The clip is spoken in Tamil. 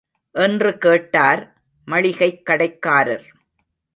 என்று கேட்டார் மளிகைக் கடைக்காரர்.